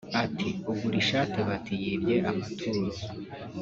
ati “Ugura ishati bati yibye amaturo